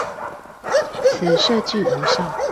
此設計無效